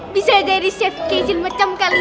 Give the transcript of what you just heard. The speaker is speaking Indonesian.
bisa jadi chef kezin macam kalian